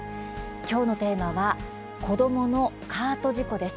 今日のテーマは子どものカート事故です。